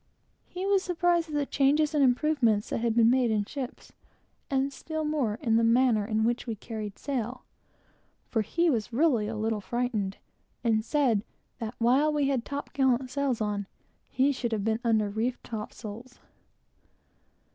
He was astonished at the changes and improvements that had been made in ships, and still more at the manner in which we carried sail; for he was really a little frightened; and said that while we had top gallant sails on, he should have been under reefed topsails.